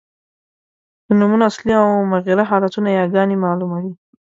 د نومونو اصلي او مغیره حالتونه یاګاني مالوموي.